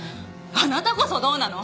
あなたこそどうなの！？